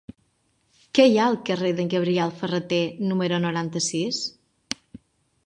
Què hi ha al carrer de Gabriel Ferrater número noranta-sis?